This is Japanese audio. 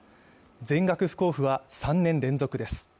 全額不交付は３年連続です。